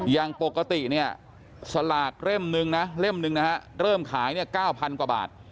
อย่างปกติเนี่ยสลากเล่มนึงนะเริ่มขาย๙๐๐๐กว่าบาท